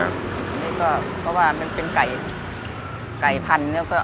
อันนี้ก็เพราะว่ามันเป็นไก่พันธุ์เนี่ย